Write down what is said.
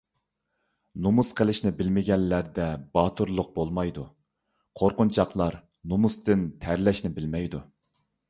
نومۇس قىلىشنى بىلمىگەنلەردە باتۇرلۇق بولمايدۇ. قۇرقۇنچاقلار نومۇستىن تەرلەشنى بىلمەيدۇ.